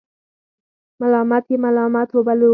ملامت یې ملامت وبللو.